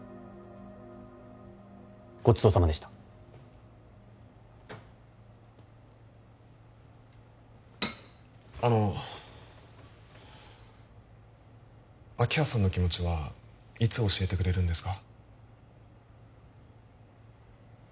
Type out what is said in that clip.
ごちそうさまでしたあの明葉さんの気持ちはいつ教えてくれるんですか？